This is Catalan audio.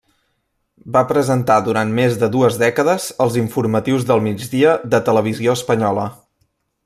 Va presentar durant més de dues dècades els informatius del migdia de Televisió Espanyola.